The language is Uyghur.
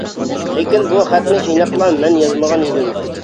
لېكىن بۇ خەتنى ئېنىقلا مەن يازمىغان ئىدىم.